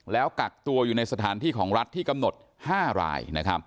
แล้วกักตัวอยู่ในสถานที่ของรัฐที่กำหนด๕ราย